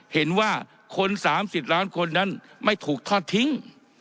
เห็นว่าคน๓๐ล้านคนนั้นไม่ถูกทอดทิ้ง